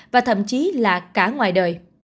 và thậm chí là cả ngoài đời